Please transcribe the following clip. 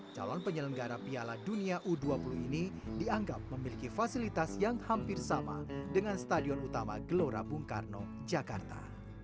calon penyelenggara piala dunia u dua puluh ini dianggap memiliki fasilitas yang hampir sama dengan stadion utama gelora bung karno jakarta